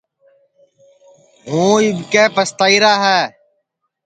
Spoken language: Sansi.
ہُوں اِٻکے پستائیرا ہے